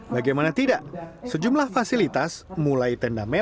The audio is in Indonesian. bagaimana tidak sejumlah fasilitas mulai tenda mewah